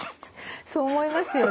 そう思いますよね。